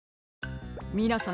みなさん